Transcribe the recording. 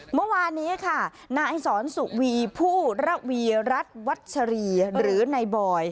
เมื่อวานนี้ค่ะนายสอนสุวีผู้ระวีรัฐวัชรีหรือนายบอย